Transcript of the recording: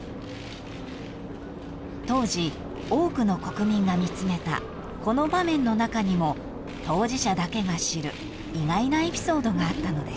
［当時多くの国民が見つめたこの場面の中にも当事者だけが知る意外なエピソードがあったのです］